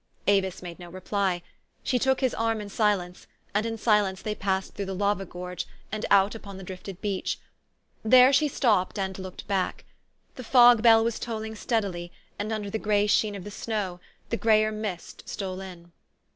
Avis made no reply. She took his arm in silence, and in silence they passed through the lava gorge, and out upon the drifted beach. There she stopped and looked back. The fog bell was tolling steadi ly, and under the gray sheen of the snow the grayer mist stole in.